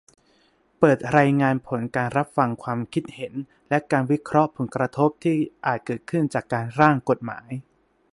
เปิดรายงานผลการรับฟังความคิดเห็น และการวิเคราะห์ผลกระทบที่อาจเกิดขึ้นจากร่างกฎหมาย